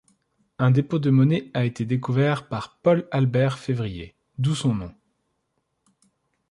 Un dépôt de monnaie a été découvert par Paul-Albert Février, d'où son nom.